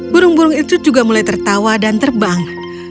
burung burung itu juga mulai tertawa dan terbang